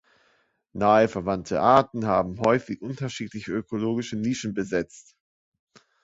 Nahe verwandte Arten haben häufig unterschiedliche ökologische Nischen besetzt.